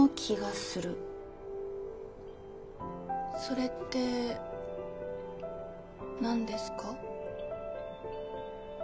それって何ですか？